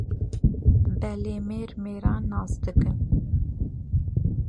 Belê mêr mêran nas dikin.